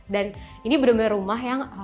dan ini benar benar rumah yang